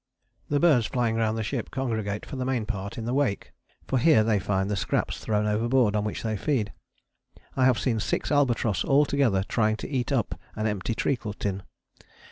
The birds flying round the ship congregate for the main part in the wake, for here they find the scraps thrown overboard on which they feed. I have seen six albatross all together trying to eat up an empty treacle tin.